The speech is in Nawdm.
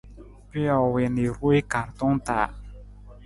Pijo wii na i ruwee kaartong taa.